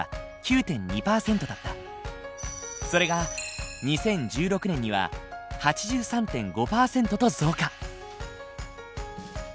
それが２０１６年には８３．５％と増加。